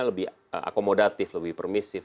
lebih akomodatif lebih permisif